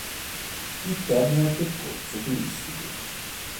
Qui termina il percorso "turistico".